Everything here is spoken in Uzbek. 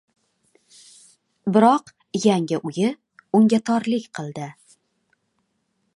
Biroq yangi “uy”i unga torlik qildi.